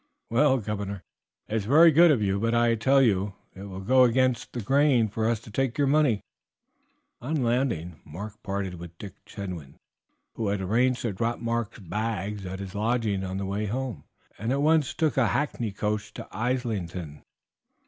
"Well, governor, it is very good of you; but I tell you it will go against the grain for us to take your money." On landing, Mark parted with Dick Chetwynd, who had arranged to drop Mark's bag at his lodgings on his way home, and at once took a hackney coach to Islington.